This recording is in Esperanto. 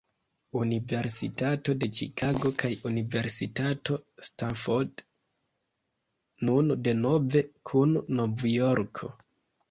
Universitato de Ĉikago kaj Universitato Stanford, nun denove kun Nov-Jorko.